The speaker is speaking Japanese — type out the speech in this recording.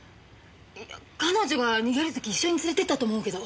いや彼女が逃げる時一緒に連れてったと思うけど。